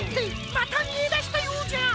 またみえだしたようじゃ！